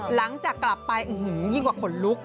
หลังจากกลับไปอื้อหือยิ่งกว่าขนลุก